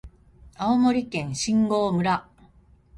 青森県新郷村